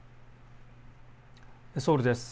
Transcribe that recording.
ソウルです。